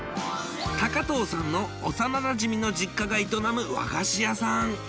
藤さんの幼なじみの実家が営む和菓子屋さん